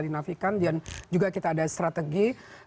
dinafikan dan juga kita ada strategi